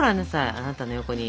あなたの横に！